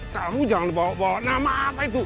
kamu jangan bawa bawa nama apa itu